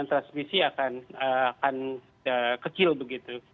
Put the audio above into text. transmisi akan kecil begitu